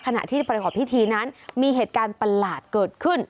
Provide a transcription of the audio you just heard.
ขณะที่ประกอบพิธีนั้นมีเหตุการณ์ประหลาดเกิดขึ้น